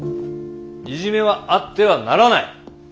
いじめはあってはならない。